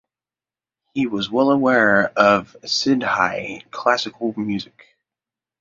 He was well aware of Sindhi classical music.